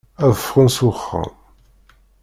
Ad ffɣen seg uxxam.